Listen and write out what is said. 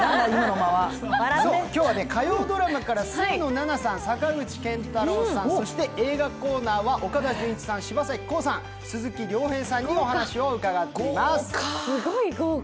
今日は歌謡ドラマから清野菜名さん、坂口健太郎さん、そして映画コーナーは岡田准一さん、柴咲コウさん、鈴木亮平さんにもお話を伺っています。